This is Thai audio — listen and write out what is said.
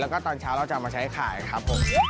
แล้วก็ตอนเช้าเราจะเอามาใช้ขายครับผม